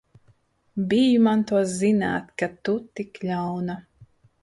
Bij man to zināt, ka tu tik ļauna!